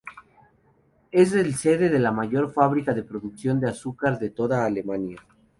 Es el sede de la mayor fábrica de producción de azúcar de toda Alemania.